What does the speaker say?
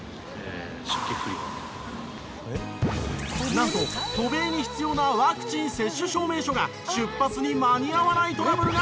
なんと渡米に必要なワクチン接種証明書が出発に間に合わないトラブルが発生！